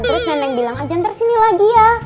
terus neneng bilang aja nanti sini lagi ya